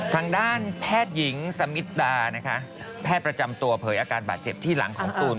ทางด้านแพทย์หญิงสมิทดานะคะแพทย์ประจำตัวเผยอาการบาดเจ็บที่หลังของตูน